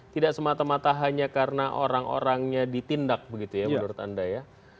tidak semata mata hanya karena orang orangnya ditindak begitu ya menurut anda ya